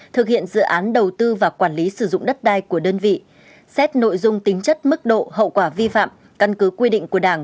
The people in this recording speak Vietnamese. thực hiện dự án đầu tư và quản lý sử dụng đất đai của đơn vị xét nội dung tính chất mức độ hậu quả vi phạm căn cứ quy định của đảng